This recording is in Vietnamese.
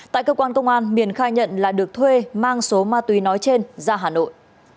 tại cơ quan công an miền khai nhận là được thuê mang số ma túy nói trên ra hà nội